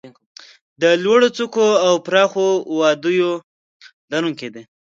د لوړو څوکو او پراخو وادیو لرونکي دي.